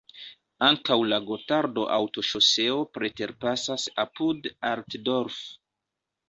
Ankaŭ la Gotardo-autoŝoseo preterpasas apud Altdorf.